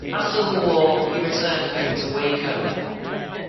After the war, he returned home to Waco.